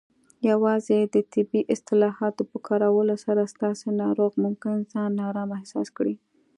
یوازې د طبي اصطلاحاتو په کارولو سره، ستاسو ناروغ ممکن ځان نارامه احساس کړي.